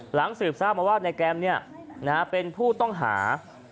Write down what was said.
สืบทราบมาว่านายแกรมเป็นผู้ต้องหา